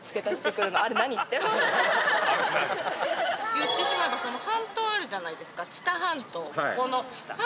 言ってしまえばその半島あるじゃないですか。